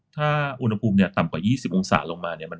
ถ้าอุณหภูมิต่ำกว่า๒๐องศาลงมาเนี่ย